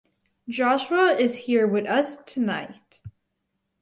Joshua is here with us tonight.